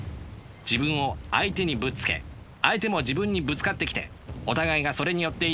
自分を相手にぶつけ相手も自分にぶつかってきてお互いがそれによって生きる。